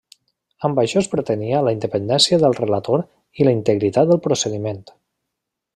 Amb això es pretenia la independència del relator i la integritat del procediment.